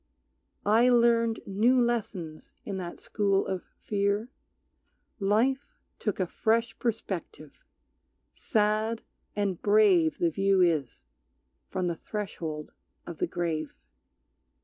I learned new lessons in that school of fear, Life took a fresh perspective; sad and brave The view is from the threshold of the grave.